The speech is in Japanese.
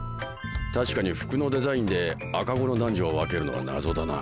確かに服のデザインで赤子の男女を分けるのは謎だな。